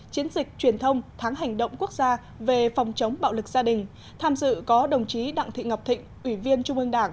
chiến dịch truyền thông tháng hành động quốc gia về phòng chống bạo lực gia đình